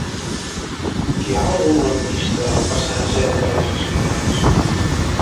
Hi ha algun lampista al passatge de les Escoles?